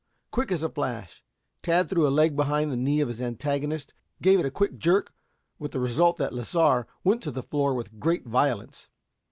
Quick as a flash, Tad threw a leg behind the knee of his antagonist, gave it a quick jerk, with the result that Lasar went to the floor with great violence.